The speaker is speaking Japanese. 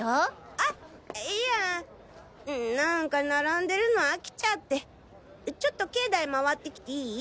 あいやなんか並んでるのあきちゃってちょっと境内まわってきていい？